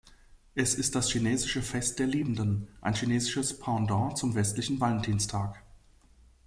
Es ist das chinesische Fest der Liebenden, ein chinesisches Pendant zum westlichen Valentinstag.